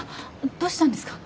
どうしたんですか。